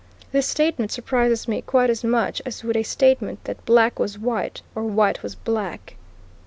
This statement surprises me quite as much as would a statement that black was white or white was black."